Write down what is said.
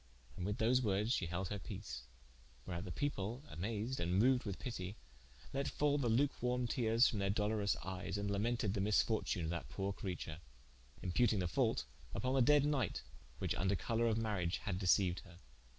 And with those wordes she held her peace: wherat the people amased, and moued with pitie, let fall the luke warme teares from their dolourouse eyes and lamented the misfortune of that poore creature: imputing the fault vppon the dead knight, which vnder colour of mariage had deceiued her.